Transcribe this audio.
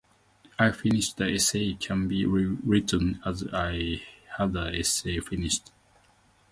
"I finished the essay" can be rewritten as "I had the essay finished".